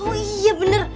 oh iya bener